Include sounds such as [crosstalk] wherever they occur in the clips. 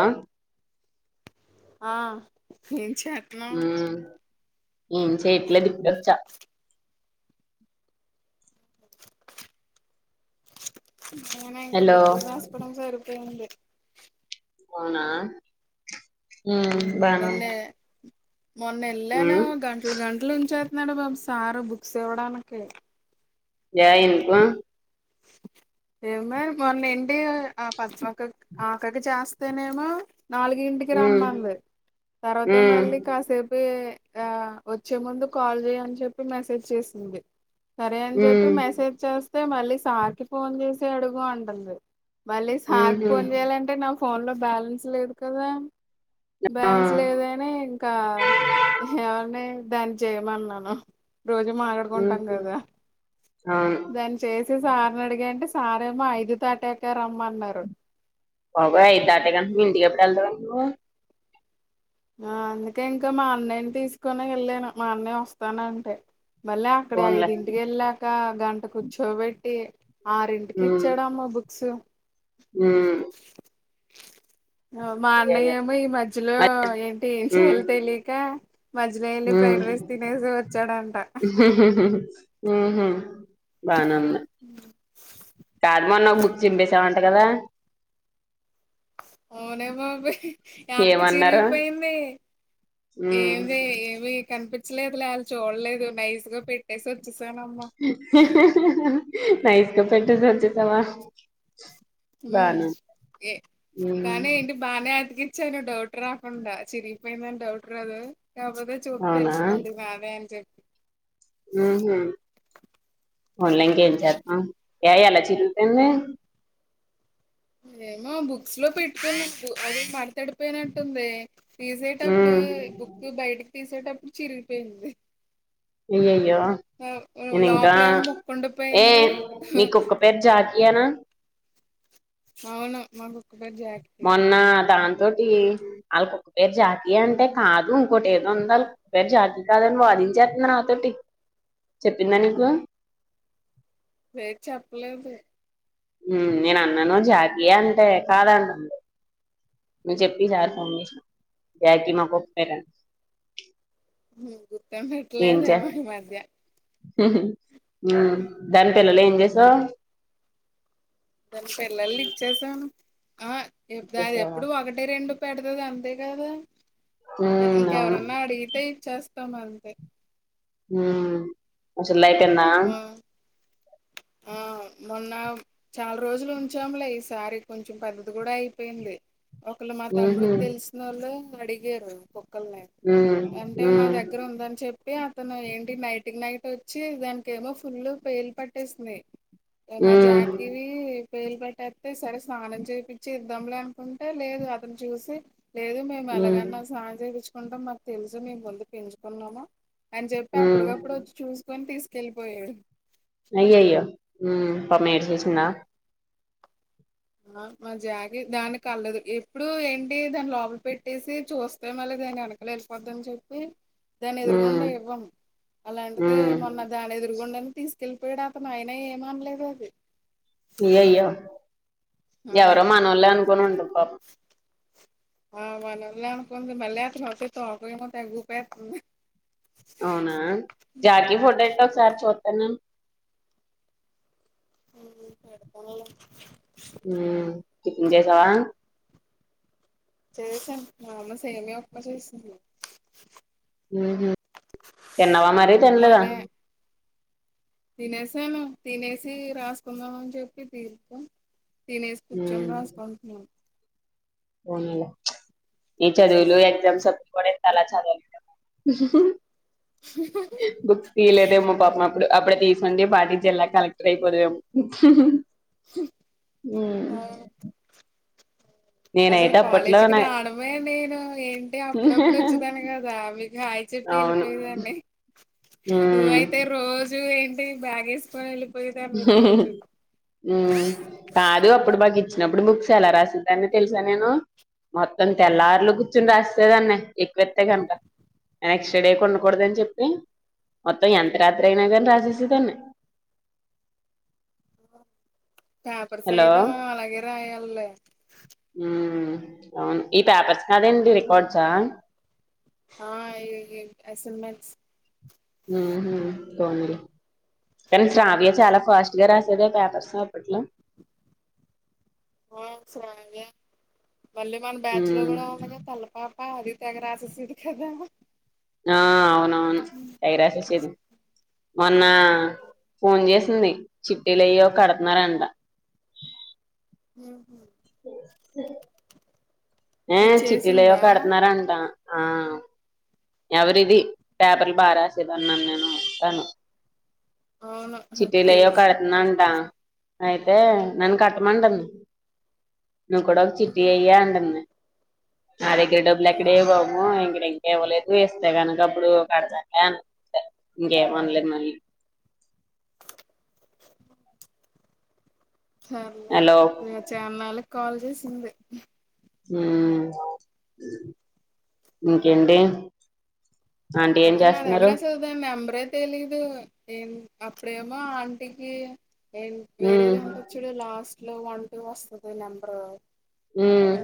ఆ ఆ ఏం చేతున్నావు ఉమ్ ఏం చేయట్లేదు ఇప్పుడ ఓచ్చా నేనైతే హలో బుక్కులు రాసుకోడం సరిపోయింది అవునా ఉ బానే ఉంది నిన్నే మొన్న ఎళ్ళాను గంటలు గంటలు ఉంచేతున్నాడు బాబు సారు బుక్స్ ఇవ్వడానికి ఏం ఎందుకు ఏ మే మొన్న ఏంటి ఆ పచ్చమక్క ఆమెకయితే చేస్తేనేమో నాలుగుంటికి ఉమ్ రమ్మంది తర్వాత ఉమ్ మళ్ళీ కాసేపుఏ ఆ వచ్చే ముందు కాల్ చేయ్యని చెప్పి మెసేజ్ చేసింది సరే అని చెప్పి ఉమ్ మెసేజ్ చేస్తే మళ్ళీ సార్కి ఫోన్ చేసి అడుగు అంటుంది మళ్ళీ సార్కీ ఉహు ఫోన్ చేయాలంటే నా ఫోన్లో బ్యాలెన్స్ లేదు కదా ఆ బ్యాలెన్స్ లేదని ఇంకా ఎవర్నీ దాన్ని చేయమన్నాను రోజు మాటడుకుంటాం ఉహు గదా అవును దాని చేసి సార్ని అడిగే అంటే సారేమో ఐదు తాటాక రమ్మన్నరు బాబో ఐదుదాటే కంటే ఇంటికి ఎప్పుడు వెళ్తావు నువ్వు ఆ అందుకే ఇంకా మా అన్నయని తీసుకోని ఎళ్ళాను మా అన్నయ ఓస్తానంటే ఈ మళ్ళీ అక్కడ పోన్లే ఐదింటికి వెళ్ళాక గంట కూర్చోబెట్టి ఆరింటికి ఇచ్చాడమ్మా బుక్స్ ఉ మా అయ్యయ్యో అన్నయ్యమో ఈ మధ్యలో మరి ఏంటి ఏం ఉమ్ చేయాలో తెలియక మధ్యలో ఎల్లి ఉమ్ ఫ్రైడ్ రైస్ తినేసి ఓచ్చాడంట ఉహు బానే ఉంది కార్మన్న ఒక బుక్ చిపెసామంట కదా అవునే బాబోయ్ అట్ట ఏమన్నారు చిరిగిపోయింది ఉమ్ ఏమింది ఏమి కనిపి లేదు లే చూడలేదు నైస్గా పెట్ తెసు వచ్చేసాను నైస్ గా పెట్టెసి వచ్చేసావ ఊ ఏ కానీ ఇంటి బానే అతికిచ్చను డౌట్ రాకుండా చిరిగిపోయిందని డౌట్ రాదు కాకపోతే చూపు అవునా తెలిసిపోది బానే అని చెప్పి ఉ హు పోన్లే ఇంకేం చేస్తున్నావు ఏ ఎలా చినిగిపోయింది ఏమో బుక్స్ లో పెట్టుకొన అది మడతడి పో పోయినట్టుంది తీసేటప్పుడు ఉమ్ బుక్ బయటకి తీసేటప్పుడు చిరిగిపోయింది అయ్యయ్యో నేను ఇంకా లోలోపల ఏమో ముక్కుండిపోయింది వేర్ జకియనా అవును మాకు మొన్నా దాంతోటి అళ్ళ కుక్క పేరు జాకి అంటే కాదు ఇంకోటి ఏదో ఉండాలి పేరు జాకి కాదని వాదించేస్తంది నాతోటి చెప్పిందా నీకు పేరు చెప్పలేదు ఉమ్ నేను అన్నను జాకి య అంటే కాదు అంటుంది నువ్ చెప్పి సార్ కి మమ్మీ జాకి మా కుక్క పేరు అని గుర్తుఎం పెట్లేదు ఏమో ఈ మధ్య ఉహు ఉ దాని పిల్లలు ఏం చేసావు దాని పిల్లలని ఇచ్చేసాం ఆ దాని ఇచ్చేసావా ఎప్పుడు ఒకటి ఒకటి రెండు పెడతది అంతే కదా ఉమ్ అవును ఇంకెవరన్నా అడిగితే ఇచ్చేస్త అంతే ఉమ్ ముసలిది అయిపోయిందా ఆ ఆ మొన్న చాలా రోజులు ఉంచాములే ఈసారి కొంచెం పెద్దది కూడా అయిపోయింది ఒకళ్ళు మా ఉహు తమ్ముడికి తెలిసిన వాళ్ళు అడిగారు కుక్కల్ని ఉమ్ అంటే మా ఉమ్ దగ్గర ఉందని చెప్పి చెప్పి అతను ఏంటి నైట్కి నైట్ వచ్చి దానికి ఏమో ఫుల్ పేలు పట్టేసినాయి మా ఉమ్ జాకివి పేలు పట్టేతే సరే స్నానం చేయించి ఇద్ధంలే అనుకుంటే లేదు అతను చూసి లేదు మేము ఉమ్ ఎలగానే స్నానం చేయించుకుంటాం మాకు తెలుసు మేము ముందు పెంచుకున్నాము అని చెప్పి ఉమ్ అప్పటికప్పుడు వచ్చి చూసుకొని తీసుకెళ్లిపోయాడు అయ్య అయ్యో ఉమ్ పాపం ఏడిసేసిందా ఆ మా జాగి దానికి కళదు ఎప్పుడు ఏంటి దాని లోపల పెట్టేసి చూస్తే మళ్ళ దాని వెన లేసి పోద్ది అని చెప్పి దాన్ని ఉమ్ ఎదురుగుండా ఇవ్వం అలాంటిది ఉమ్ మొన్న దాని ఎదురుగుండానే తీసుకెళ్లిపోయాడు అతను ఆయన ఏమనలేదు అది అయ్యయ్యో ఎవరో ఆ మనోళ్ళే అనుకోని ఉంటది పాపం ఆ మనోళ్ళే అనుకుంది మళ్ళీ తోక ఏమో తెగ ఉపేత్తంది అవునా జాకీ ఫోటో ఎట్టు ఒకసారి చూత్తను ఉమ్ పెడతానులే ఉమ్ టిఫిన్ చేసావ చేసాను మా అమ్మ మ సేమియా ఉప్మా చేసింది ఉహు తిన్నావా మరి తినలేదా ఉప్మాలే తినేసాను తినేసి రాసుకుందాం అని చెప్పి తీసా తినేసి కూర్చొని రాసుకో అంటున్నారు పోనిలే ఏ చదువులు ఎగ్జామ్స్ అప్పుడు కూడా ఇంత అలా చదువ బుక్స్ తీయలేదేమో పాపం అప్పుడు అప్పుడే తీసుఉంటే ఈ పాటి జిల్లా కలెక్టర్ అయిపోదుమో ఉం అసలు అప్పట్లో కాలేజీకి నా రావడమే నేను ఏంటి అప్పుడప్పుడు వచ్చేదాను కదా మీకు హా చెప్పి అవును వెళ్ళిపోయేదాన్నీ ఉమ్ నువ్వయితే రోజు ఏంటి బ్యాగ వేసుకోనీ వెళి ఉం కాదు అప్పుడు మాకు ఇచ్చినప్పుడు బుక్స్ ఎలా రాసేద్దని తెలుసా నేను మొత్తం తెల్లార్లు కూర్చుని రాస్తేదన్న ఎక్కువేతే కనుక నెక్స్ట్ డే కొండకూడద అని చెప్పి మొత్తం ఎంత రాత్రి అయినా కాని రాసేసేదాన్ని పేపర్స్ హలో అయితే మనం అలాగే రాయాలిలే ఉం అవును ఈ పేపర్స్ కదండి రికార్డ్సా ఆ ఇగ అసైన్మెంట్స్ హు హామ్ తొండి కానీ శ్రావ్య చాలా ఫాస్ట్ గా రాసేది ఆ పేపర్స్ అప్పట్లో [unintelligible] ఆ సరగా మళ్ళీ మన బ్యాచ్ లో ఉమ్ కూడా అవ్వాలిగా తల్లపాపా అది తెగ రాసేసది కదా ఆ అవునవును తెగ రాసేసిది మొన్న ఫోన్ చేసింది చిట్టీలు అయ్య కడుతున్నారంట హు హామ్ ఏ నీకు చిటీలు ఏవో చేసిందా కడుతున్నార అంటా ఆ ఎవరిది పేపర్లు బాగా రాసేది అన్నాను నేను వస్తాను అవును చిటీలు అయ్యో తెలుసు కడుతుందంట అయితే నన్ను కట్టమంటంది నువ్వు కూడా ఒక చిట్టీ అయ్య అంటంది నా దగ్గర డబ్బులు ఎక్కడేయి బాబు ఇంకా ఇంకేవ్వలేదు వేస్తే కనుక అప్పుడు కడద ఇంగేం అనల్లేదు మళ్ళీ హలో సర్లేదు చాన్నాళ్ళకి కాల్ చేసింది ఉమ్ ఇంకేంటి ఆంటీ ఏం నా దగ్గర చేస్తున్నారు అసలు దాని నెంబరే తెలీదు ఏం అప్పుడేమో ఆంటికి ఉమ్ వేరేది ఉంటచ్చ చూడు లాస్ట్ లో వన్ టూ వస్తుది నెంబరు ఉమ్ ఆ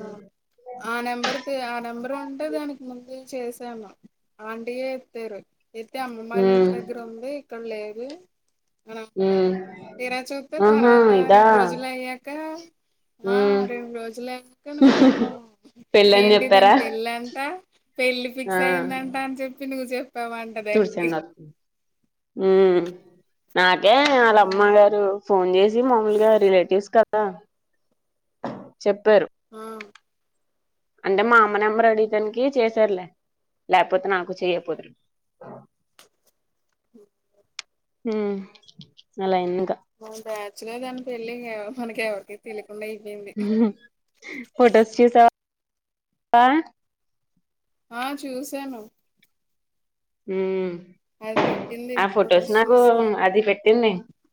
ఆ నెంబర్ ఆ నెంబర్ ఉంటే దానికి ముందు చేశాను ఆంటీ ఎత్తారు ఎత్తి అమ్మమ్మ వాళ్ళ ఇంటి ఉమ్ దగ్గర ఉంది ఇక్కడ లేదు ఉమ్ తీర చూస్తే ఆహా తర్వాత ఇదా రెండు రోజులు అయ్యాక ఆ ఉమ్ రెండు రోజులు అయ్యాక నువ్వు వెళ్ళావ్ పెళ్ళని ఏంటి దాని చెప్పారా పెళ్ళంట పెళ్లి ఆ ఫిక్స్ అయిదంట అని చెప్పి నువ్వు చెప్పావంట [unintelligible] దానికి చూడిసను ఉమ్ నాకే వాళ్ళమ్మ గారు ఫోన్ చేసి మామూలుగా రిలేటివ్స్ కదా చెప్పారు ఆ అంటే మా అమ్మ నెంబర్ అడిగితానికి చేశారులే లేకపోతే నాకు చెయపోదురు ఉం ఉమ్ అలా అయింది ఇంకా మన బ్యాచ్ లో దాని పెళ్ళి మనకి ఎవరికి తెలియకుండా అయిపోయింది ఫోటోస్ చూసావా ఆ ఆ చూసాను ఉ అది పెట్టింది ఆ ఫొటోస్ నాకు చూసాను అది పెట్టింది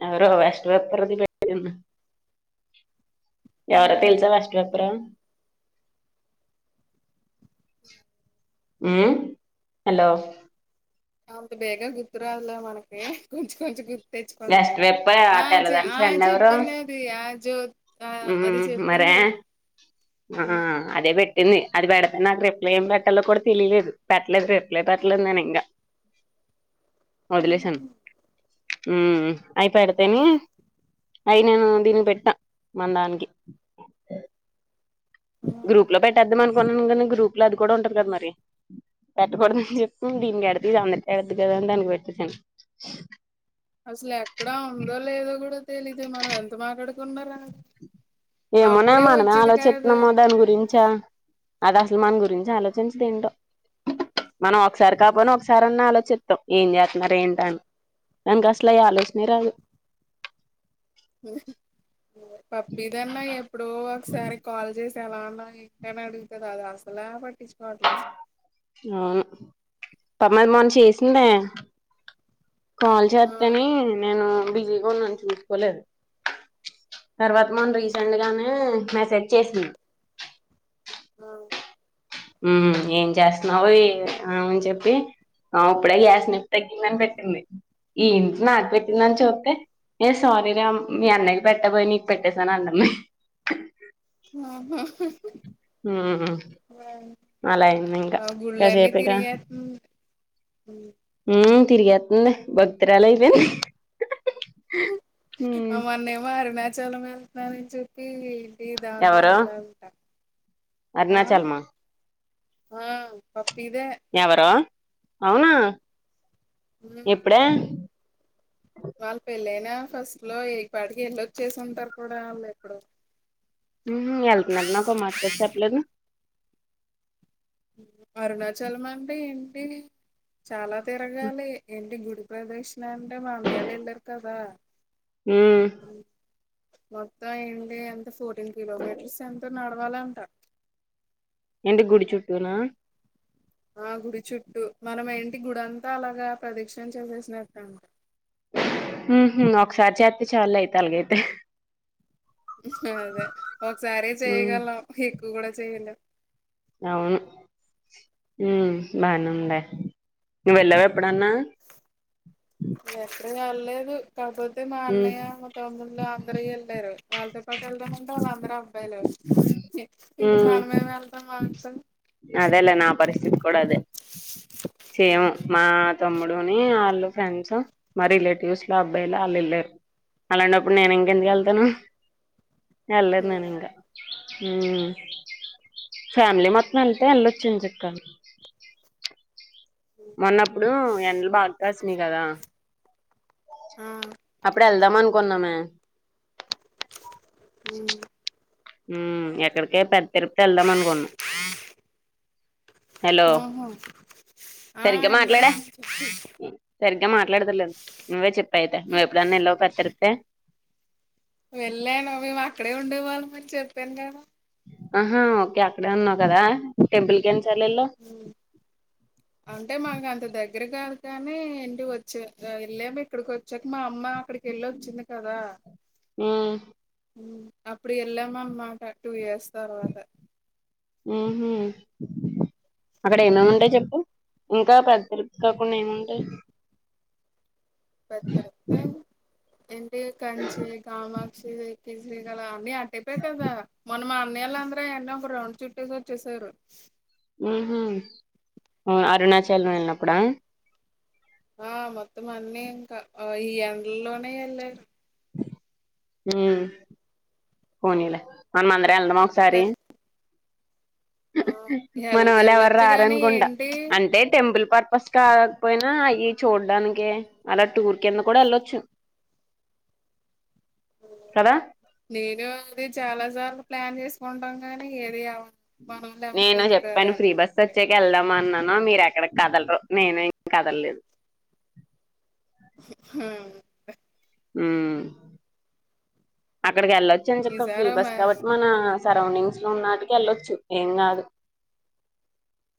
ఎవరో [unintelligible] పెట్టి [inaudible] ఎవరో ఉహు తెలుసా [unintelligible] రా ఉమ్ హలో ఔట్ బేగా గుర్తు రాదులే మనకి కొంచెం కొంచెం గుర్ తెచ్చుకుంటా వెస్ట్ కానీ వెప్పర్ ఆ ఆయ చె తెల్లదాని ఆయ ఫ్రెండ్ ఎవరో చెప్పింది అది ఆ జ్యో ఆ అది చెప్పింది ఆహా అదే పెట్టింది అది పెడితే నాకు రిప్లై ఏం పెట్టాలో కూడా తెలియలేదు పెట్టలేదు రిప్లై పెట్టలేదు అట్లనే ఉన్న ఇంకా వదిలేసాను ఉమ్ అయిపేడితేనే అయి నేను దీనికి పెట్టా మన దానికి గ్రూప్ లో పెట్టేద్దాం అనుకున్నాను కానీ గ్రూప్ లో అది కూడా ఉంటాది కదా మరి పెట్టకూడదని చెప్పి దీనికి కడితే ఇది అందరికేడద్దు కదా అని దానికి పెట్టేసాను అసలు ఎక్కడా ఉందో లేదో కూడా తెలీదు మనం ఎంత మాట్డు ఏమోన్నా మనే వచ్చేది కాదు ఆలోచిస్తున్నామో దాని గురించా అది అసలు మన గురించి ఆలోచించదు ఏంటో మనం ఒకసారి కాపోనా ఒకసారి అన్న ఆలోచిస్తాం ఏం చేస్తున్నారు ఏంట అని దానికసలేయా ఆలోచనే రాదు పప్పిదన్న ఎప్పుడో ఒకసారి కాల్ చేస్త్ ఎలాన్న ఏంటి అని అడుగుతాది అది అసలే పట్టించుకోవట్లేదు అవును పాపమ్ అది మొన్న చేసిందే కాల్ ఆ చేతేనే నేను బిజీ నున్నను చూసుకోలేదు తర్వాత మొన్నా రీసెంట్ గానే మెసేజ్ చేసింది ఆ ఉ ఏం చేస్తున్నావు ఎన్ అని చెప్పి ఆ ఇప్పుడే గ్యాస్ నింపి పెట్టిందని పెట్టింది ఏంటి నాకు పెట్టిందని చూప్తే ఏ సారీ రా మీ అన్నయ్య కి పెట్టబోయి నీకు పెట్టేశాను అంటుంది ఉ హా హ్మ్ ఉ అలా అయింది ఇంకా మా గుళ్ళన్నీ కాసేపు ఇక తిరిగే ఉమ్ ఉమ్ తిరిగేతుంది భక్తురాాలు అయిపోంది అ మొన్నేమో అరుణాచలం వెళ్తున్నానని చెప్పి ఈ దాంతో ఎవరు అందా ఉంటా అరుణాచలమా ఆ పప్పీదే ఎవరో అవునా ఉమ్ ఇప్పుడే వాళ్ళు పెళ్ళైనా ఫస్ట్ లో ఇ పాటికి ఎళ్ళొచ్చేసి ఉంటారు కూడా ఆళ్ళు ఎప్పుడో ఉమ్ ఎళ్తున్నారు నాకో మాటకూడా చెప్పలేదు అరుణాచలం అంటే ఏంటి చాలా తిరగాలి ఏంటి గుడి ప్రదక్షిణ అంటే మండయాల ఎల్ర్కి కదా ఉ ఉ మొత్తం ఏంటి ఎంత ఫోర్టీన్ కిలోమీటర్స్ ఎంతో నడవాలాంటా ఏంటి గుడి చుట్టూ నా ఆ గుడి చుట్టూ మనం ఏంటి గుడంతా అలాగా ప్రదక్షణ చేసేసినట్టు ఉహు ఒకసారి చేస్త చాలేతే అలాగైతే అదే ఒకసారే హ్మ్ చేయగళం ఎక్కువ గూడా చేయలేం అవును ఉమ్ బానేంది నువ్వు వెళ్ళావా ఎప్పుడన్నా ఎక్కడికి వెళ్ళలేదు కాకపోతే మా ఉమ్ అన్నయ్య తమ్ముళ్లు అందరు వెళ్ళారు వాళ్ళతో పాటు వెళదామ అంటే వాళ్ళు అందరు అబ్బయలే ఇంక మనమేం వెళ్తాం వాళ్ళతో అదలా నా పరిస్థితి కూడా అదే చేము మా తమ్ముడుని వాళ్ళు ఫ్రెండ్స్ మా రిలేటివ్స్ లో అబ్బాయిలు వాళ్ళు వెళ్ళారు అలాంటప్పుడు నేను ఇంకెందుకు వెళ్తాను వెళ్లేను నేను ఇంకా ఉమ్ ఫ్యామిలీ మొత్తం వెళ్తే వెళ్ళొచ్చు ఏం చక్కను మొన్నప్పుడు ఎండలు బాగాసినయ్ కదా ఆ అప్పుడు వెళ్దామనుకున్నామే ఊ ఊ ఎక్కడికే పెద్ద తిరుపతి వెళ్దాం అనుకోన్నాం హలో ఆహా ఆ సరిగా మాట్లాడే వినపడుతుంది సరిగ్గా మాట్లాడతలేదు నువ్వే చెప్ అయితే నువ్ ఎప్పుడైన ఎలవ కతిరపతే వెళ్ళాను మేము అక్కడే ఉండేవాళ్ళం అని చెప్పాను కదా ఆహా ఓకే అక్కడే ఉన్నావు కదా టెంపుల్ కు ఎన్ని సాల ఎల్లో ఊ అంటే మాకు అంత దగ్గర కాదు కానీ ఇంటి వచ్చే వెళ్ళమ ఇక్కడికి వచ్చాక మా అమ్మ అక్కడికి ఎల్ వచ్చింది కదా ఉమ్ ఊ అప్పుడు వెళ్ళామా అన్నమాట టూ ఇయర్స్ తర్వాత ఉహు అక్కడ ఏమేమి ఉంటాయి చెప్పు ఇంకా పెద్ద తిరుపతి కాకుండా ఏముంటాయి పెద అంతేమ్ ఏంటి కంచి కామాక్షి శ్రీకాళ అన్ని అట్ ట్టేపె కదా మొన్న అనయళ్ళ అందరూ ఏంటనే ఒక రౌండ్ చుట్టేసి వచ్చేసారు ఊహు ఉ అరుణాచలం వెళ్ళినప్పుడు ఆ ఆ మొత్తం అన్నీ ఇంకా ఆ ఈ ఎండ లోనే వెళ్ళారు పోనీలే మన మందరం వెళ్ళదామా ఒకసారి మన ఎల్ వాల్ ఎవరు వెళ్ళొచ్చు గాని రారనుకుంట ఏంటి అంటే టెంపుల్ పర్పస్ కాకపోయినా అయ్యి చూడానికి అలా టూర్ కింద కూడా వెళ్ళొచ్చు కదా నేను అది చాల సార్లు ప్లాన్ చేసుకుంటాం గానీ ఏది అవ్వదు మనోళ్లు ఎవరు ముందుకు రారు వెళ్దాం అంటే వచ్చేకి వెళ్దామ అన్నాను మీరు ఎక్కడకి కదలేరు నేను ఇం కదలలేదు హ ఊ అక్కడికి వెళ్ళొచ్చాను చెక్క ఫ్రీ బస్ ఈసారి కాబట్టి మన సరౌండింగ్స్ లో ఉన్నటికి వెళ్ళొచ్చు ఎం కాదు